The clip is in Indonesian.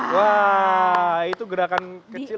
wah itu gerakan kecil